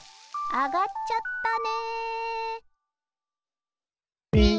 あがっちゃったね。